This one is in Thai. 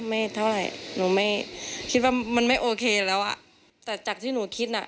ไม่เท่าไหร่หนูไม่คิดว่ามันไม่โอเคแล้วอ่ะแต่จากที่หนูคิดน่ะ